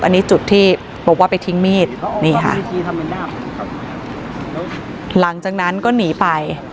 อันนี้จุดที่บอกว่าไปทิ้งมีดนี่ค่ะหลังจากนั้นก็หนีไป